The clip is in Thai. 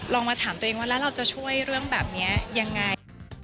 มาถามตัวเองว่าแล้วเราจะช่วยเรื่องแบบนี้ยังไง